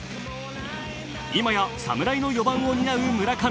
今やサムライの４番を担う村上。